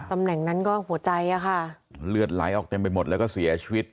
ตำแหน่งนั้นก็หัวใจอะค่ะเลือดไหลออกเต็มไปหมดแล้วก็เสียชีวิต